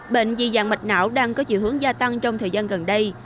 bệnh dị dàng mạch não đang có dự hướng gia tăng trong thời gian gần đây